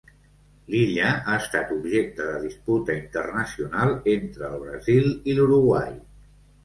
L'illa ha estat objecte de disputa internacional entre el Brasil i l'Uruguai.